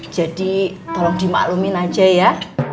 jadi tolong dimaklumin aja ya